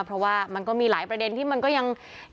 เพราะว่ามันก็มีหลายประเด็นที่มันก็ยัง